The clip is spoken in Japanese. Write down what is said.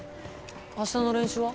明日の練習は？